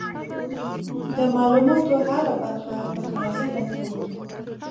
د معلوماتو هره برخه په ریاضي بدلېږي.